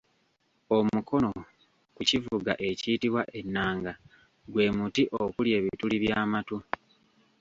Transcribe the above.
Omukono ku kivuga ekiyitibwa ennanga gwe muti okuli ebituli by’amatu